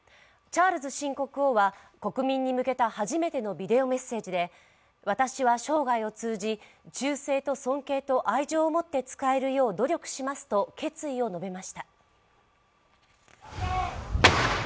チャールズ新国王は国民に向けた初めてのビデオメッセージで私は生涯を通じ、忠誠と尊敬と愛情を仕えるよう努力しますと決意を述べました。